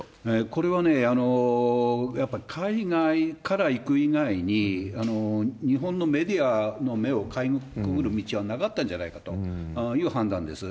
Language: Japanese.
これはね、やっぱ海外から行く以外に、日本のメディアの目をかいくぐる道はなかったんじゃないかという判断です。